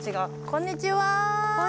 こんにちは。